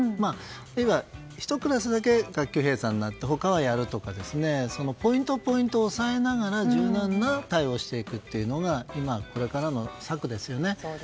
あるいは１クラスだけ学級閉鎖になって他はやるとかポイントを押さえながら柔軟な対応をしていくというのがこれからの策ですよね。